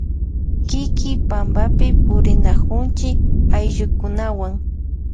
Kiki pampapi purinakunchi ayllukunawan.